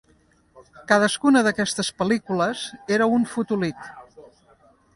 Cadascuna d'aquestes pel·lícules era un fotolit.